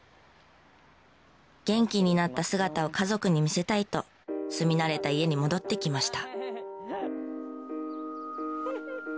元気になった姿を家族に見せたいと住み慣れた家に戻ってきました。